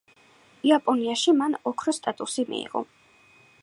იაპონიაში მან ოქროს სტატუსი მიიღო.